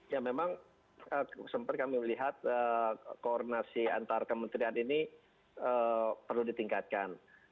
ya memang sempat kami melihat koordinasi antar kementerian ini perlu ditingkatkan